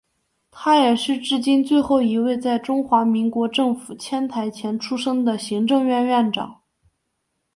他也是至今最后一位在中华民国政府迁台前出生的行政院院长。